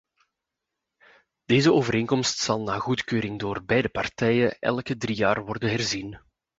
Deze overeenkomst zal na goedkeuring door beide partijen elke drie jaar worden herzien.